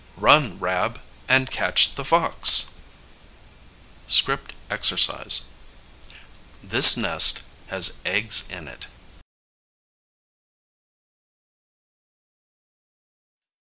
Run, Rab, and catch the fox. [Illustration: Script Exercise: This nest has eggs in it.